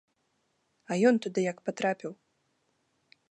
А ён туды як патрапіў?